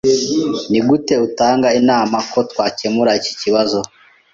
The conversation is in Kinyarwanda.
Nigute utanga inama ko twakemura iki kibazo?